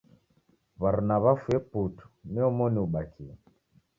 W'aruna w'afue putu ni omoni ubakie